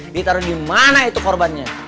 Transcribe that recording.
ditaruh dimana itu korbannya